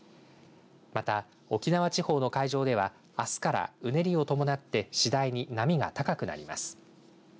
また、沖縄地方の海上ではあすから、うねりを伴って次第に波が高くなります。